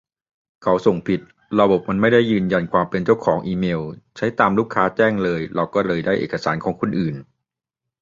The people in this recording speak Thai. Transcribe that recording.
เขาส่งผิด ระบบมันไม่ได้ยืนยันความเป็นเจ้าของอีเมล ใช้ตามลูกค้าแจ้งเลย เราก็เลยได้เอกสารของคนอื่น